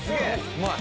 うまい。